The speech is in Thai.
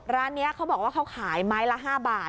ร้านนี้เขาบอกว่าเขาขายไม้ละ๕บาท